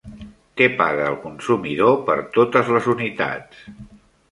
Què paga el consumidor per totes les unitats?